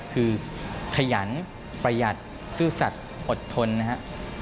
คือขยันประหยัดซื่อสัตว์อดทนนะครับ